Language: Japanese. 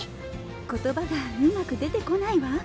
言葉がうまく出てこないわ。